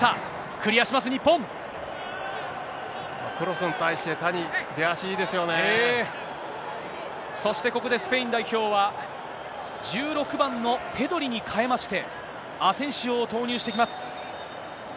クロスに対して、谷、出足いそして、ここでスペイン代表は、１６番のペドリに変えまして、アセンシオを投入してきます。